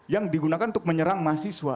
yang digunakan untuk menyerang mahasiswa